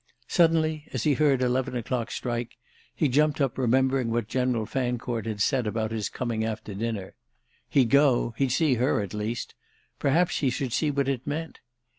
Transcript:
Suddenly, as he heard eleven o'clock strike, he jumped up, remembering what General Fancourt had said about his coming after dinner. He'd go—he'd see her at least; perhaps he should see what it meant.